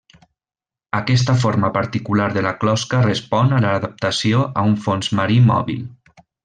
Aquesta forma particular de la closca respon a l'adaptació a un fons marí mòbil.